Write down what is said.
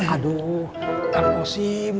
aduh kang gosim